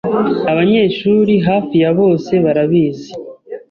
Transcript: Abanyeshuri hafi ya bose barabizi.